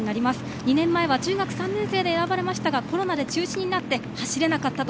２年前は中学３年生で選ばれましたがコロナで中止になって走れなかったと。